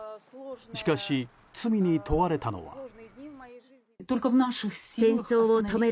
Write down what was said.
しかし、罪に問われたのは。